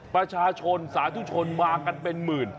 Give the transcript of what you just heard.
ประชาชนสาธุชนมากันเป็นหมื่น